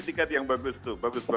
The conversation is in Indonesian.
ini dikat yang bagus tuh bagus bagus